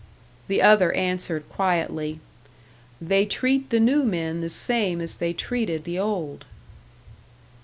The other answered, quietly, "They treat the new men the same as they treated the old."